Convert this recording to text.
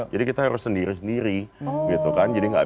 kita harus sendiri sendiri gitu kan